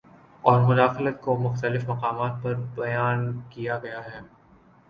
اور مداخلت کو مختلف مقامات پر بیان کیا گیا ہے